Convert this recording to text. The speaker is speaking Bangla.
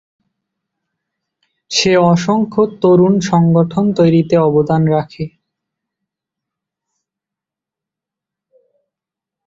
সে অসংখ্য তরুণ সংগঠন তৈরিতে অবদান রাখে।